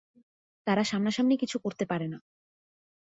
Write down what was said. তারা সামনাসামনি কিছু করতে পারে না।